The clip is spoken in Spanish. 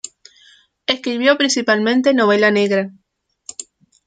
Escribió principalmente novela negra.